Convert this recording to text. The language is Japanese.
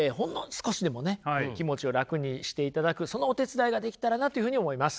少しでもね気持ちを楽にしていただくそのお手伝いができたらなというふうに思います。